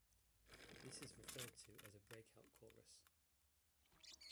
This is referred to as a breakout chorus.